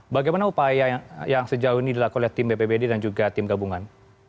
bagaimana upaya yang sejauh ini dilakukan oleh tim bpbd dan juga tim gabungan